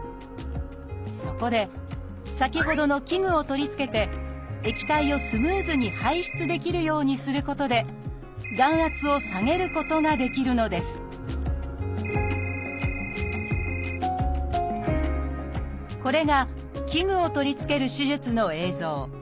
そこで先ほどの器具を取り付けて液体をスムーズに排出できるようにすることで眼圧を下げることができるのですこれが器具を取り付ける手術の映像。